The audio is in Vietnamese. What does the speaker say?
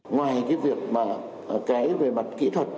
ngoài cái việc mà cái về mặt kỹ thuật